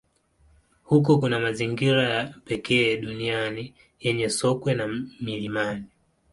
Huko kuna mazingira ya pekee duniani yenye sokwe wa milimani.